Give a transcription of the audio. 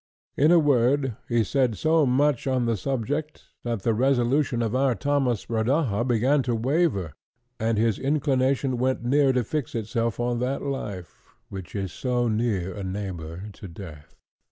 In a word, he said so much on the subject, that the resolution of our Thomas Rodaja began to waver, and his inclination went near to fix itself on that life, which is so near a neighbour to death.